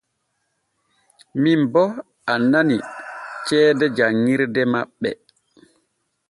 Min boo annani ceede janŋirde maɓɓe.